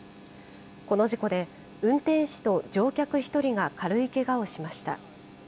この事故で、運転士と乗客１人が軽いけがをしました。